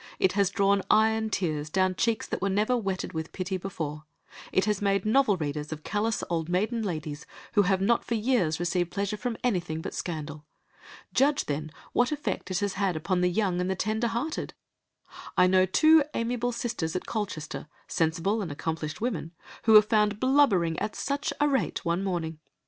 It has drawn iron tears down cheeks that were never wetted with pity before; it has made novel readers of callous old maiden ladies, who have not for years received pleasure from anything but scandal. Judge, then, what effect it has had upon the young and the tender hearted! I know two amiable sisters at Colchester, sensible and accomplished women, who were found blubbering at such a rate one morning!